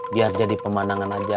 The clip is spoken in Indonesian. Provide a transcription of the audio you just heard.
biar jadi pemandangan aja